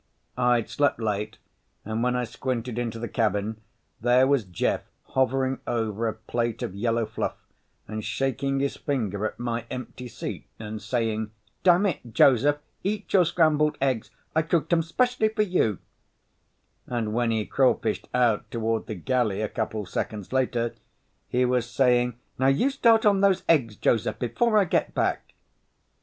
I'd slept late and when I squinted into the cabin there was Jeff hovering over a plate of yellow fluff and shaking his finger at my empty seat and saying, "Dammit, Joseph, eat your scrambled eggs, I cooked 'em 'specially for you," and when he crawfished out toward the galley a couple seconds later he was saying, "Now you start on those eggs, Joseph, before I get back."